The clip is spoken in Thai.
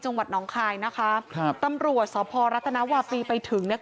น้องคายนะคะครับตำรวจสพรัฐนาวาปีไปถึงเนี่ย